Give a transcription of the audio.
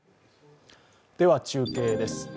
では中継です。